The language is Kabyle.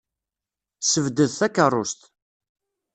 Ssebded takeṛṛust.